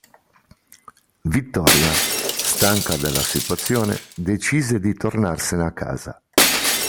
Vittoria, stanca della situazione, decide di tornarsene a casa.